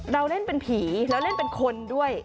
เราเล่นเป็นผีแล้วเล่นเป็นคนด้วย